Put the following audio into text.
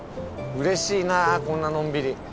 うれしいなこんなのんびり。